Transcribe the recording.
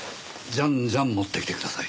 じゃんじゃん持ってきてください。